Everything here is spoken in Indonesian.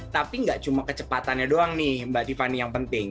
tapi nggak cuma kecepatannya doang nih mbak tiffany yang penting